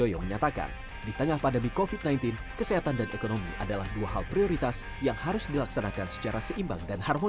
insight akan membahasnya bersama saya desi anwar